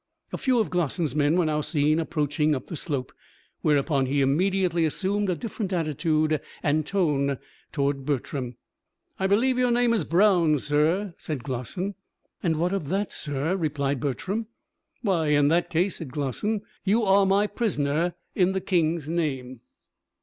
A few of Glossin's men were now seen approaching up the slope, whereupon he immediately assumed a different attitude and tone towards Bertram. "I believe your name is Brown, sir?" said Glossin. "And what of that, sir?" replied Bertram. "Why in that case," said Glossin, "you are my prisoner in the king's name."